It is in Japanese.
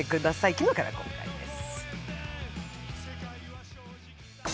昨日から公開です。